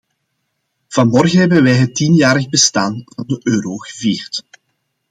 Vanmorgen hebben wij het tienjarig bestaan van de euro gevierd.